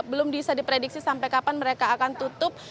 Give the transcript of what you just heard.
belum bisa diprediksi sampai kapan mereka akan tutup